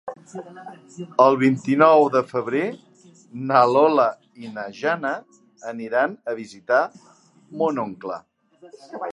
El vint-i-nou de febrer na Lola i na Jana aniran a visitar mon oncle.